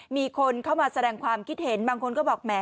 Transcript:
มีคนเข้ามาแสดงความคิดเห็นบางคนก็บอกแหม